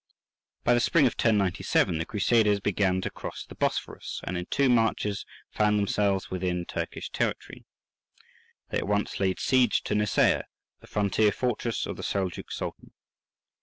In the spring of 1097 the Crusaders began to cross the Bosphorus, and in two marches found themselves within Turkish territory. They at once laid siege to Nicaea, the frontier fortress of the Seljouk Sultan.